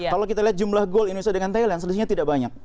kalau kita lihat jumlah gol indonesia dengan thailand selisihnya tidak banyak